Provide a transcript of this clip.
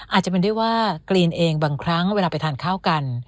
อาจจะเป็นได้ว่ากรีนเองบางครั้งเวลาไปทานข้าวกัน